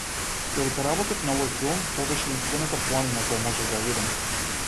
Додека работев на овој филм тоа беше единствената планина која можев да ја видам.